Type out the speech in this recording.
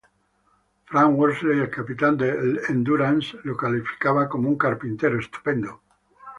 Frank Worsley, el capitán del "Endurance", lo calificaba como "un carpintero estupendo".